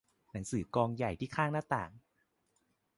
หนังสือกองใหญ่ที่ข้างหน้าต่าง